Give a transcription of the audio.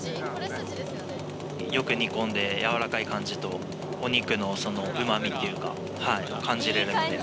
よく煮込んで柔らかい感じと、お肉のうまみっていうか、感じれるので。